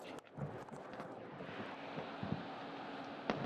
淋巴结的增大经常代表异常。